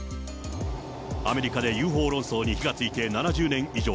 アメリカでＵＦＯ論争に火がついて７０年以上。